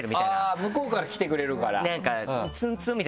向こうから来てくれるから。